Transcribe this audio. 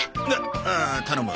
ああ頼む。